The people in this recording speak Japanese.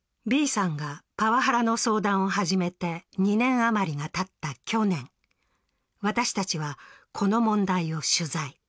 Ｂさんがパワハラの相談を始めて２年余りがたった去年、私たちはこの問題を取材。